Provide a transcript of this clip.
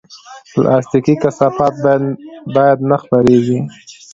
پلاستيکي کثافات باید نه خپرېږي.